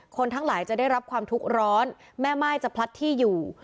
ทั้งหลายจะได้รับความทุกข์ร้อนแม่ม่ายจะพลัดที่อยู่